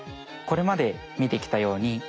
これまでみてきたように